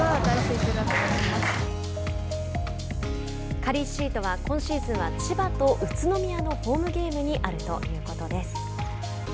カリーシートは今シーズンは千葉と宇都宮のホームゲームにあるということです。